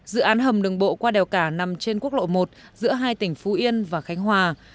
dự án hầm đường bộ qua đèo cả nằm trên quốc lộ một giữa hai tỉnh phú yên và khánh hòa